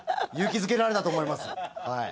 勇気づけられたと思います。